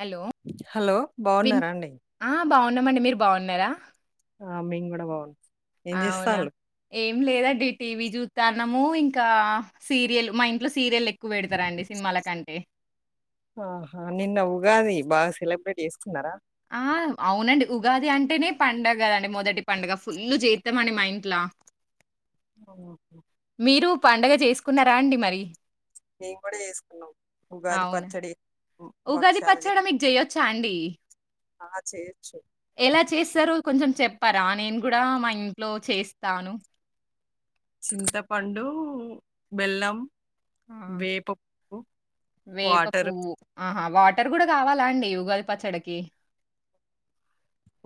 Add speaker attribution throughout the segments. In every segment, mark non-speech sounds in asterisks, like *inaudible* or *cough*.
Speaker 1: Hello
Speaker 2: hello
Speaker 1: విన్
Speaker 2: బాగున్నారాండి
Speaker 1: ఆ! బాగున్నామండి మీరు బాగున్నారా
Speaker 2: ఆ మేము కూడా బాగున్నాం ఏం
Speaker 1: అవునా
Speaker 2: జేస్తాళ్ళు?
Speaker 1: ఏం లేదండి టీవీ చూ దాన్నము ఇంకా సీరియల్ మా ఇంట్లో సీరియలే
Speaker 2: ఆహా నిన్న ఉగాది బాగా సెలబ్రేట్ చేస్కున్నారా
Speaker 1: ఆ అవునండి ఉగాది అంటేనే పండుగ కదండి మొదటి పండుగ ఫుల్లు చేతం అండి మా ఇంట్ల
Speaker 2: ఆ
Speaker 1: మీరు పండుగ చేసుకున్నారా అండి మరి
Speaker 2: మేం కూడా చేసుకున్నాం ఉగాది
Speaker 1: అవునా!
Speaker 2: పచ్చడి హ్మ్,
Speaker 1: ఉగాది
Speaker 2: భక్షాలు జే
Speaker 1: పచ్చడ మీకు చెయొచ్చా అండి
Speaker 2: ఆ చేయొచ్చు
Speaker 1: ఎలా చేస్తారో కొంచెం చెప్పరా నేను కూడా మా ఇంట్లో చేస్తాను
Speaker 2: చింతపండు బెల్లం
Speaker 1: ఆ
Speaker 2: వేప పువ్వు,
Speaker 1: వేప
Speaker 2: వాటరు.
Speaker 1: పువ్వు ఆహా వాటి టర్ కూడా కావాలా అండి ఉగాది పచ్చడ కి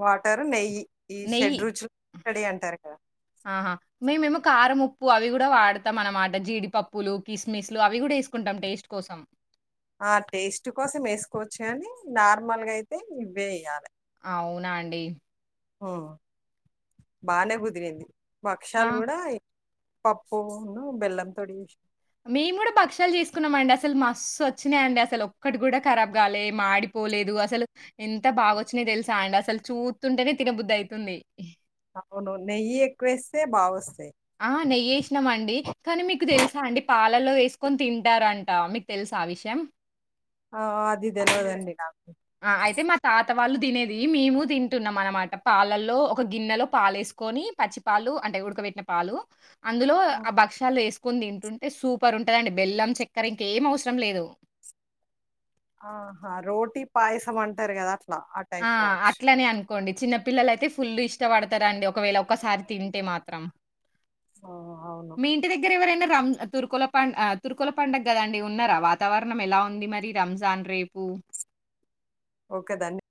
Speaker 2: వాటర్ నెయ్యి ఈ
Speaker 1: నెయ్యి
Speaker 2: షెడ్ రుచులు *inaudible* అంటారు కదా!
Speaker 1: ఆహా! మేమేమో కారం ఉప్పు అవి కూడా వాడతాం అనమాట జీడిపప్పులు కిస్మిస్ లు అవి కూడా వేసుకుంటాం టేస్ట్ కోసం
Speaker 2: ఆ టేస్ట్ కోసం ఏసుకోవచ్చు కానీ నార్మల్ గా ఐతే ఇవే ఎయ్యాలి
Speaker 1: అవునా అండి
Speaker 2: ఊ బానే కుదిరింది
Speaker 1: ఆ!
Speaker 2: భక్షాలు కూడా పప్పూ ను బెల్లం తోటి చేష్
Speaker 1: మేం కూడా భక్షాలు చేసుకున్నామండి అసలు మస్తు వచ్చినాయండి అస్సలు ఒక్కటి కూడా కరాబ్ కాలే మాడి పోలేదు అసలు ఎంత బాగొచ్చినయి తెలుసా అండి అసలు చూత్తుంటేనే తినబుద్ధి ఐతుంది
Speaker 2: అవును నెయ్యెక్కువేస్తే బాగొస్తు
Speaker 1: ఆ నెయ్యేసినాం అండి కానీ మీకు తెలుసా అండి పాల్ లలో వేసుకొని తింటారంట మీకు తెలుసా ఆ విషయం
Speaker 2: ఆ అది తెల్వదండి నాకు
Speaker 1: ఆ అయితే మా తాత వాళ్ళు తినేది మేమూ తింటున్నాం అనమాట పాలల్లో ఒక గిన్నెలో పాలేసుకొని పచ్చి పాలు అంటే ఉడకబెట్టిన పాలు అందులో ఆ భక్షాలు ఏస్ కొని తింటుంటే సూపర్ ఉంటదండి బెల్లం చక్కెర ఇంకేం అవసరం లేదు
Speaker 2: ఆహా రోటీ పాయసం అంటారు కదా అట్లా
Speaker 1: ఆ
Speaker 2: టైప్ కావచ్చు.
Speaker 1: అట్లనే అన్ కోండి చిన్న పిల్లల అయితే ఫుల్ ఇష్టపడతారండి ఒకవేళ ఒక్కసారి తింటే మాత్రం
Speaker 2: ఆ! అవును.
Speaker 1: మీ ఇంటి దగ్గర ఎవరైనా రం తూర్కొల్ల పండ్ తూర్కొల్ల పండుగ కదండి ఉన్నారా వాతావరణం ఎలా ఉంది మరి రంజాన్ రేపు
Speaker 2: ఒక్క దాన్ని